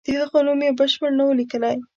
د هغه نوم یې بشپړ نه وو لیکلی.